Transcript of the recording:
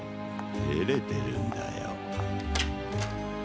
てれてるんだよ。